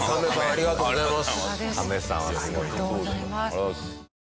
ありがとうございます。